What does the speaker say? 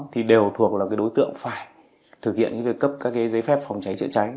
thì đều thuộc là đối tượng phải thực hiện những việc cấp các giấy phép phòng cháy chữa cháy